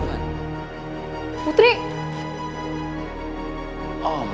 awak sudah sama